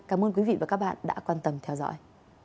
cảm ơn quý vị và các bạn đã quan tâm theo dõi